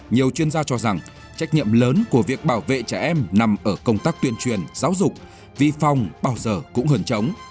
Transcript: nhiều chuyên gia cho rằng trách nhiệm lớn của việc bảo vệ trẻ em nằm ở công tác tuyên truyền giáo dục vi phòng bảo dở cũng hơn chống